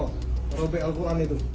merobek al quran itu